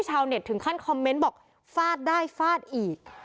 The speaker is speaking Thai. ชาวเน็ตถึงขั้นคอมเมนต์บอกฟาดได้ฟาดอีก